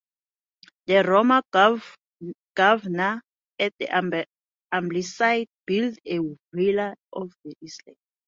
The Roman governor at Ambleside built a villa on the island.